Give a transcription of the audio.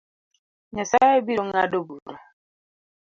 Nyasaye birongado bura